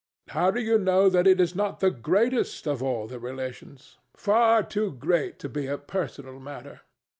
DON JUAN. How do you know that it is not the greatest of all the relations? far too great to be a personal matter.